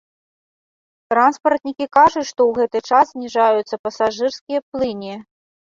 Транспартнікі кажуць, што ў гэты час зніжаюцца пасажырскія плыні.